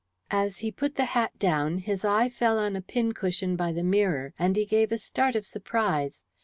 As he put the hat down his eye fell on a pincushion by the mirror, and he gave a start of surprise.